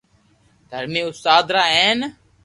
درھمي استاد را ھين